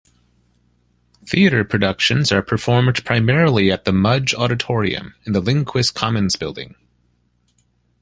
Theater productions are performed primarily at The Mudge Auditorium in the Lindquist Commons building.